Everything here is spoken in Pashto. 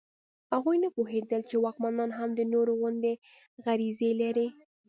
هغوی نه پوهېدل چې واکمنان هم د نورو غوندې غریزې لري.